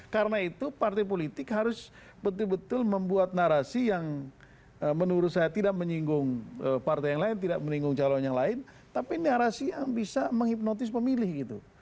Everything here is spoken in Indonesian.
karena itu partai politik harus betul betul membuat narasi yang menurut saya tidak menyinggung partai yang lain tidak menyinggung calon yang lain tapi narasi yang bisa menghipnotis pemilih gitu